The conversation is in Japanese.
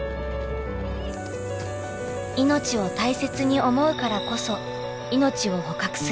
命を大切に思うからこそ命を捕獲する。